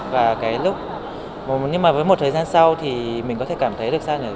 và cái lúc nhưng mà với một thời gian sau thì mình có thể cảm thấy được sao nữa